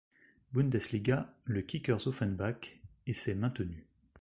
Bundesliga, le Kickers Offenbach, et s'est maintenu.